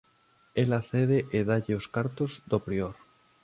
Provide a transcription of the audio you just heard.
Ela cede e dálle os cartos do prior.